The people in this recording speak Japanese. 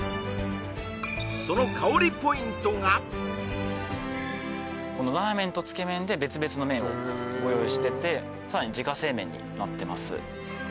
そのこのラーメンとつけ麺で別々の麺をご用意しててさらに自家製麺になってます